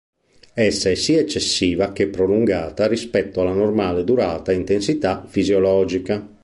Essa è sia eccessiva che prolungata rispetto alla normale durata e intensità fisiologica.